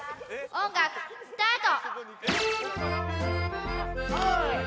音楽スタート